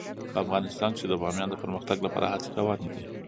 په افغانستان کې د بامیان د پرمختګ لپاره هڅې روانې دي.